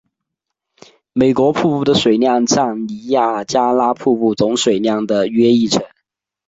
美国瀑布的水量占尼亚加拉瀑布总水量的约一成。